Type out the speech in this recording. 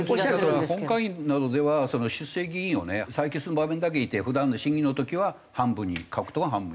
本会議などでは出席議員をね採決する場面だけいて普段の審議の時は半分に各党は半分にすると。